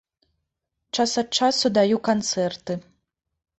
Час ад часу даю канцэрты.